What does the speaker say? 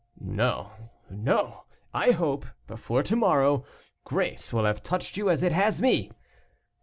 "No, no, I hope, before to morrow, grace will have touched you as it has me.